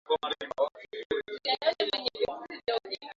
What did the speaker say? Iran nchi kubwa zaidi ya waislam wa madhehebu ya shia duniani na Saudi Arabia